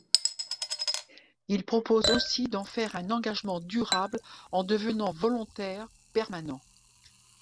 Il propose aussi d'en faire un engagement durable en devenant volontaire-permanent.